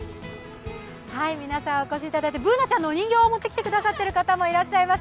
皆さん、お越しいただいてＢｏｏｎａちゃんのお人形を持ってきてくれてる方もいます。